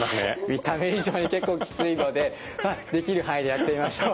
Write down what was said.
見た目以上に結構きついのでできる範囲でやってみましょう。